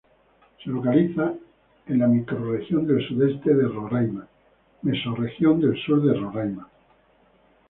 Se localiza en la microrregión del Sudeste de Roraima, mesorregión del Sur de Roraima.